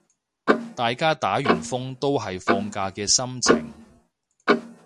大家打完風都係放假嘅心情